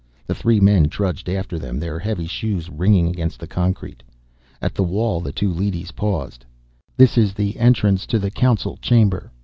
The three men trudged after them, their heavy shoes ringing against the concrete. At the wall, the two leadys paused. "This is the entrance to the Council Chamber.